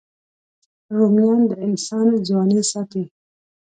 رومیان د انسان ځواني ساتي